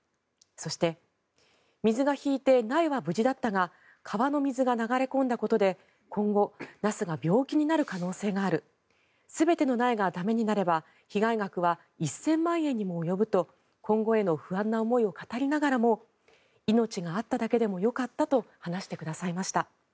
そして水が引いて苗は無事だったが川の水が流れ込んだことで今後、ナスが病気になる可能性がある全ての苗が駄目になれば被害額は１０００万円にも及ぶと今後への不安な思いを語りながらも命があっただけでもよかったと話してくださいました。